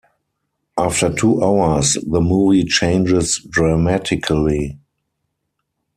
After two hours the movie changes dramatically.